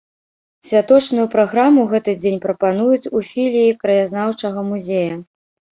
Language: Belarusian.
Святочную праграму ў гэты дзень прапануюць і філіі краязнаўчага музея.